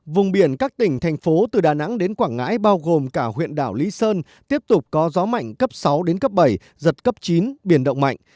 vùng biển các tỉnh thành phố từ đà nẵng đến quảng ngãi bao gồm cả huyện đảo lý sơn tiếp tục có gió mạnh cấp sáu đến cấp bảy giật cấp chín biển động mạnh